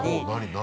何？